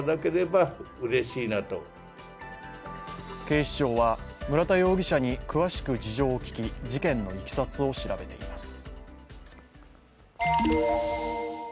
警視庁は村田容疑者に詳しく事情を聴き事件のいきさつを調べています。